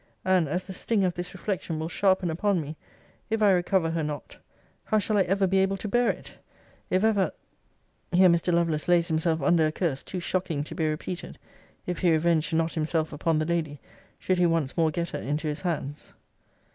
And, as the sting of this reflection will sharpen upon me, if I recover her not, how shall I ever be able to bear it? If ever [Here Mr. Lovelace lays himself under a curse, too shocking to be repeated, if he revenge not himself upon the Lady, should he once more get her into his hands.